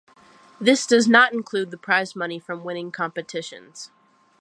This does not include the prize money from winning competitions.